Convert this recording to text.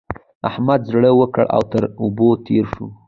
احمد زړه وکړه او تر اوبو تېر شه.